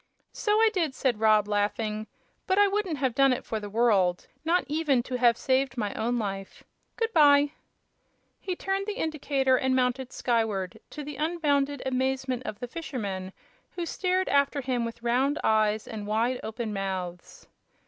"So I did," said Rob, laughing; "but I wouldn't have done it for the world not even to have saved my own life. Good by!" He turned the indicator and mounted skyward, to the unbounded amazement of the fishermen, who stared after him with round eyes and wide open mouths.